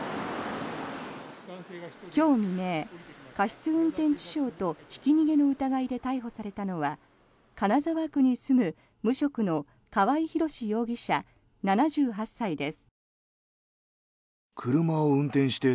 今日未明、過失運転致傷とひき逃げの疑いで逮捕されたのは金沢区に住む無職の川合廣司容疑者７８歳です。